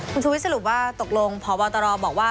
คุณชุวิตสรุปว่าตกลงพบตรบอกว่า